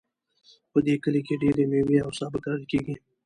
په دې کلي کې ډیری میوې او سابه کرل کیږي